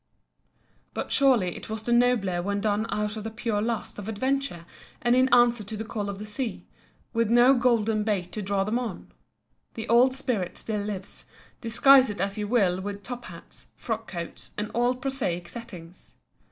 But surely it was the nobler when done out of the pure lust of adventure and in answer to the call of the sea, with no golden bait to draw them on. The old spirit still lives, disguise it as you will with top hats, frock coats, and all prosaic settings.